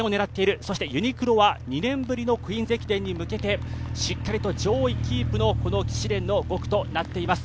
そしてユニクロは２年ぶりの「クイーンズ駅伝」に向けてしっかりと上位キープの試練の５区となっています。